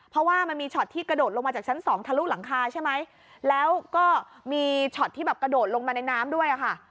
เพราะว่ามันมีช็อตที่กระโดดลงมาจากชั้นสองทะลุหลังคาใช่ไหมแล้วก็มีช็อตที่แบบกระโดดลงมาในน้ำด้วยอ่ะค่ะ